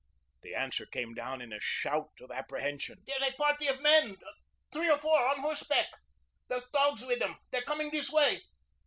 The answer came down in a shout of apprehension. "There's a party of men. Three or four on horse back. There's dogs with 'em. They're coming this way.